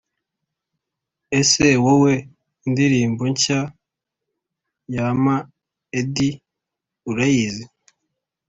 Ese wowe indirimbo nshya yam eddy urayizi